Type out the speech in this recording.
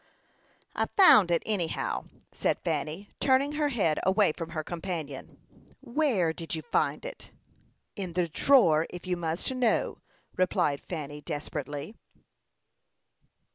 "I found it, anyhow," said Fanny, turning her head away from her companion. "Where did you find it?" "In the drawer, if you must know," replied Fanny, desperately.